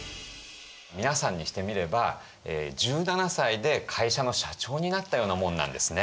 皆さんにしてみれば１７歳で会社の社長になったようなもんなんですね。